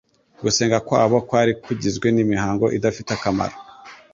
Gusenga kwa bo kwari kugizwe n'imihango idafite akamaro;